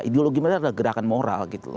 ideologi mereka adalah gerakan moral